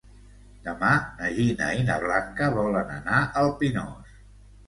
Demà na Gina i na Blanca volen anar al Pinós.